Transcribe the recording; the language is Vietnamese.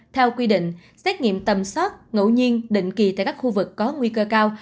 theo quy định xét nghiệm tầm soát ngẫu nhiên định kỳ tại các khu vực có nguy cơ cao